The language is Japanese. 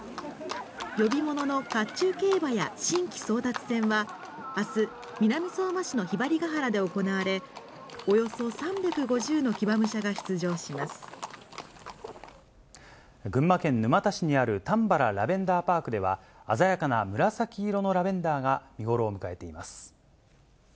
呼び物の甲冑競馬や、神旗争奪戦は、あす、南相馬市の雲雀ケ原で行われ、およそ３５０の騎馬武者が出場し群馬県沼田市にあるたんばらラベンダーパークでは、鮮やかな紫色のラベンダーが見頃を迎えています。